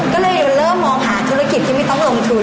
ก็เลยเริ่มมองหาธุรกิจที่ไม่ต้องลงทุน